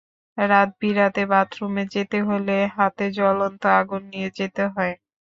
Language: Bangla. রাতবিরাতে বাথরুমে যেতে হলে হাতে জ্বলন্ত আগুন নিয়ে যেতে হয়।